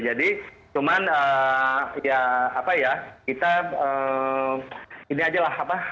jadi cuman ya apa ya kita ini aja lah